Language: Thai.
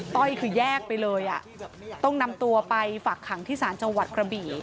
ต้อยคือแยกไปเลยต้องนำตัวไปฝากขังที่ศาลจังหวัดกระบี่